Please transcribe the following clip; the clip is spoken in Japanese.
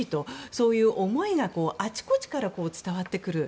そういう思いがあちこちから伝わってくる。